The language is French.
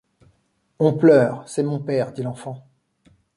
On pleure, c’est mon père, dit l’enfant.